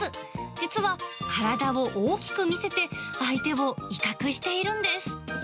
実は、体を大きく見せて、相手を威嚇しているんです。